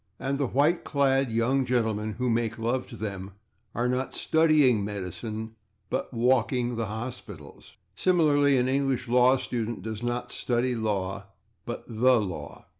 And the white clad young gentlemen who make love to them are not /studying medicine/ but /walking the hospitals/. Similarly, an English law student does not study law, but /the/ law.